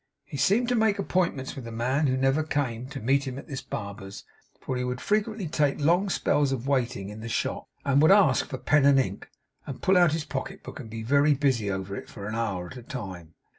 He seemed to make appointments with the man who never came, to meet him at this barber's; for he would frequently take long spells of waiting in the shop, and would ask for pen and ink, and pull out his pocket book, and be very busy over it for an hour at a time.